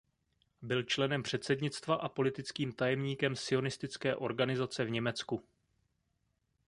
Byl členem předsednictva a politickým tajemníkem sionistické organizace v Německu.